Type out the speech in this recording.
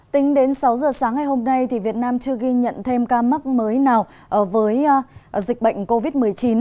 tính đến sáu giờ sáng ngày hôm nay việt nam chưa ghi nhận thêm ca mắc mới nào với dịch bệnh covid một mươi chín